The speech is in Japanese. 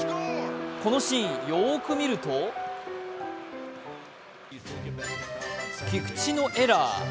このシーン、よーく見ると菊池のエラー。